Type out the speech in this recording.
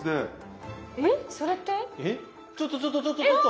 ちょっとちょっとちょっとちょっと！